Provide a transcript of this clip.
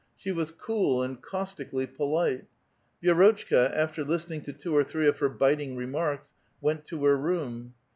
She was cool and caustically polite. Vie rotchka, after listening to two or three of her biting remarks, went to her room.